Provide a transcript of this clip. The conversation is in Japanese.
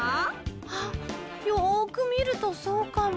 はっよくみるとそうかも。